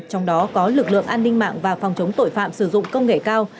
trong đó có lực lượng an ninh mạng và phòng chống tội phạm sử dụng công nghệ cao